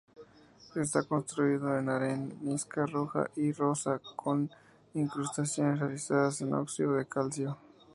Está construido en arenisca roja y rosa, con incrustaciones realizadas en óxido de calcio.